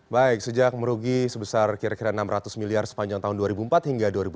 baik sejak merugi sebesar kira kira enam ratus miliar sepanjang tahun dua ribu empat hingga dua ribu empat